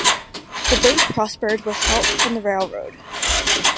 The bank prospered with help from the railroad.